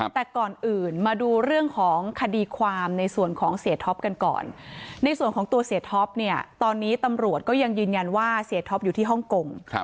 แต่ก่อนอื่นมาดูเรื่องของคดีความในส่วนของเสียท็อปกันก่อนในส่วนของตัวเสียท็อปเนี่ยตอนนี้ตำรวจก็ยังยืนยันว่าเสียท็อปอยู่ที่ฮ่องกง